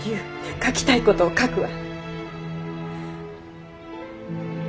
書きたい事を書くわ。